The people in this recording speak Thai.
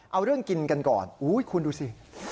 เอาเรื่องกินกันก่อนคุณดูสิ